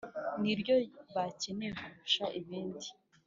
Ni ryo bakeneye kurusha ibindi.